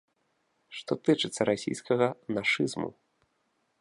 Што тычыцца расійскага нашызму.